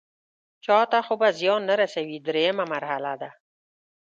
چاته خو به زیان نه رسوي دریمه مرحله ده.